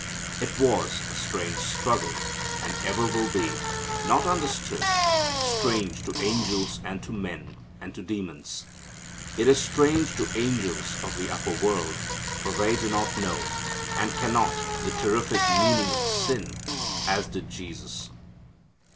It was a strange struggle, and ever will be, not understood, strange to angels and to men and to demons. It is strange to angels of the upper world, for they do not know, and cannot, the terrific meaning of sin as did Jesus.